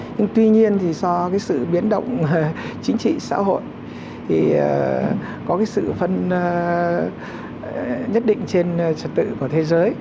nhưng tuy nhiên thì do cái sự biến động chính trị xã hội thì có cái sự phân nhất định trên trật tự của thế giới